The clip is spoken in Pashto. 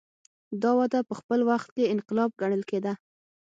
دا وده په خپل وخت کې انقلاب ګڼل کېده.